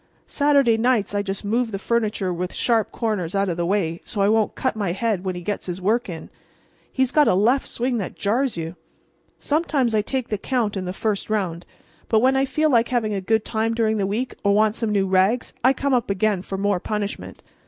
Saturday nights I just move the furniture with sharp corners out of the way, so I won't cut my head when he gets his work in. He's got a left swing that jars you! Sometimes I take the count in the first round; but when I feel like having a good time during the week or want some new rags I come up again for more punishment.